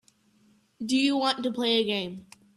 Do you want to play a game.